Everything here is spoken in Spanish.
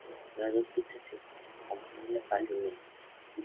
Las dos pistas se confunden fácilmente.